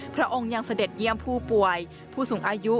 พระองค์ยังเสด็จเยี่ยมผู้ป่วยผู้สูงอายุ